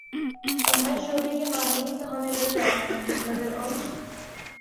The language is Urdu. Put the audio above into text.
اب ہر شعبے کے ماہرین تو ہمیں مل جاتے ہیں مگر ان